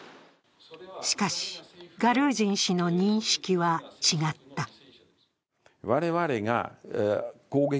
しかし、ガルージン氏の認識は違った。